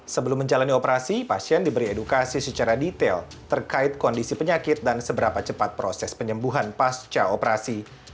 sebelum menjalani operasi pasien diberi edukasi secara detail terkait kondisi penyakit dan seberapa cepat proses penyembuhan pasca operasi